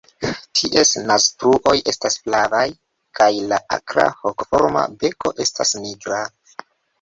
Ties naztruoj estas flavaj kaj la akra hokoforma bekoj estas nigra.